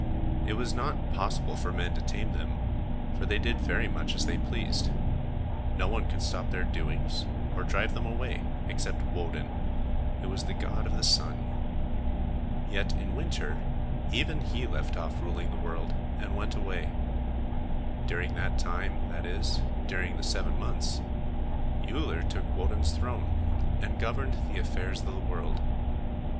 It was not possible for men to tame them, for they did very much as they pleased. No one could stop their doings or drive them away, except Woden, who was the god of the sun. Yet in winter, even he left off ruling the world and went away. During that time, that is, during seven months, Uller took Woden's throne and governed the affairs of the world.